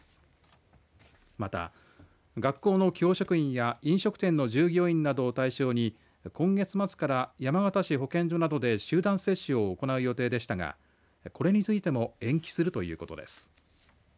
また、学校の教職員や飲食店の従業員などを対象に今月末から山形市保健所などで集団接種を行う予定でしたがこれについても延期するということです。